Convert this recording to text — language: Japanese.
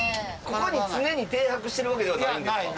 ここに常に停泊してるわけではないんですか？